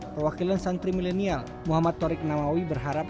perwakilan santri milenial muhammad torik namawi berharap